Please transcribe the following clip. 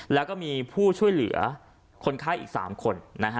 แล้วก็มีผู้ช่วยเหลือคนไข้อีก๓คน